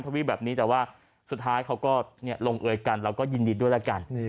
เพราะว่าสุดท้ายเขาก็ลงเอยกันเราก็ยินดีด้วยละกัน